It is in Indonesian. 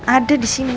ada di sini